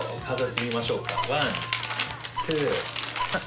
数えてみましょうか。